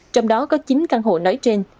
trong đó có chín căn hộ nói trên